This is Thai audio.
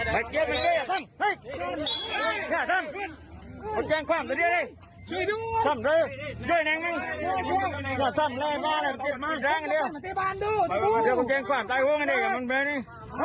ผู้ข้อร้ายโดยรอบนี้นะคะเธอไม่ได้บอกเลยหรือหรืน